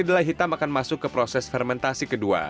kedelai hitam akan masuk ke proses fermentasi ke dua